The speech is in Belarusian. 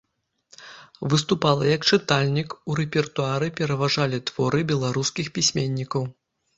Выступала як чытальнік, у рэпертуары пераважалі творы беларускіх пісьменнікаў.